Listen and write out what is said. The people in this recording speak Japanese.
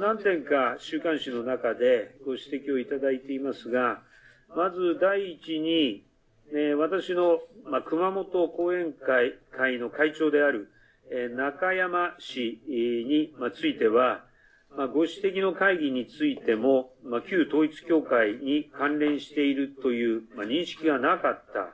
何点か週刊誌の中でご指摘をいただいていますがまず第一に私の熊本後援会会の会長であるなかやま氏についてはご指摘の会議についても旧統一教会に関連しているという認識がなかった。